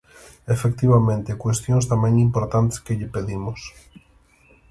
Efectivamente, cuestións tamén importantes que lle pedimos.